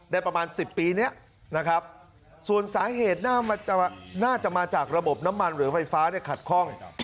ประมาณ๑๐ปีนี้นะครับส่วนสาเหตุน่าจะมาจากระบบน้ำมันหรือไฟฟ้าเนี่ยขัดข้อง